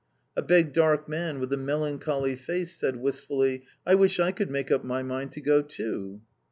A big dark man, with a melancholy face, said wistfully, "I wish I could make up my mind to go too!"